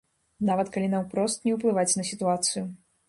Нават калі наўпрост не ўплываюць на сітуацыю.